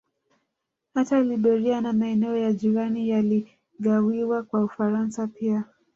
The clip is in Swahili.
Hata Liberia na maeneo ya jirani yaligawiwa kwa Ufaransa pia